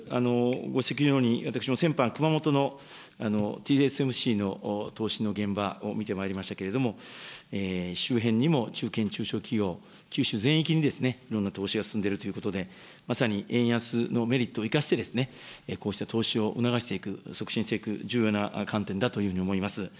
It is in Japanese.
ご指摘のように、私も先般、熊本のＴＳＭＣの投資の現場を見てまいりましたけれども、周辺にも中堅、中小企業、九州全域にいろんな投資が進んでいるということで、まさに円安のメリットを生かして、こうした投資を促していく、促進していく、重要な観点だというふうに思います。